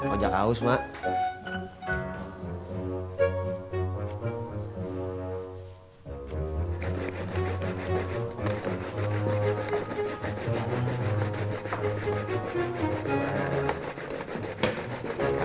ojak haus mak